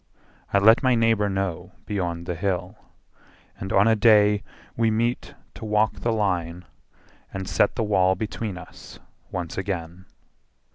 I let my neighbour know beyond the hill; And on a day we meet to walk the line And set the wall between us once again.